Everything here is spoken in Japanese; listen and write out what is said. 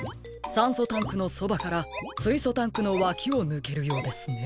さんそタンクのそばからすいそタンクのわきをぬけるようですね。